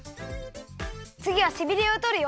つぎはせびれをとるよ。